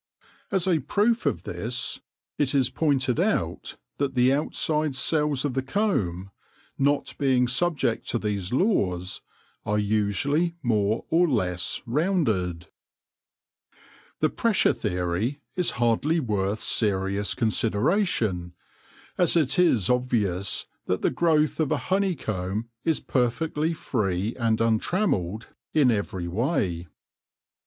As a proof of this, THE COMB BUILDERS 147 it/ is pointed out that the outside cells of the comb, not being subject to these laws, are usually more or less rounded. The pressure theory is hardly worth serious con sideration, as it is obvious that the growth of a honey comb is perfectly free and untrammelled in every way.